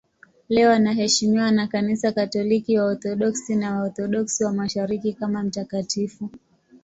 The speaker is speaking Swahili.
Leo anaheshimiwa na Kanisa Katoliki, Waorthodoksi na Waorthodoksi wa Mashariki kama mtakatifu.